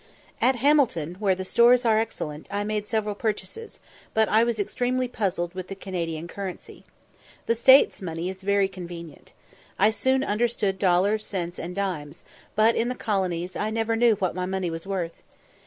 At Hamilton, where the stores are excellent, I made several purchases, but I was extremely puzzled with the Canadian currency. The States money is very convenient. I soon understood dollars, cents, and dimes; but in the colonies I never knew what my money was worth.